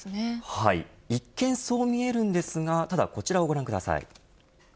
はい、一見そう見えるんですがただ、こちらをご覧ください。